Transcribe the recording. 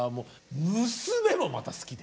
娘もまた好きで。